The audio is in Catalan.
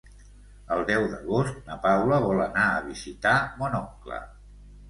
El deu d'agost na Paula vol anar a visitar mon oncle.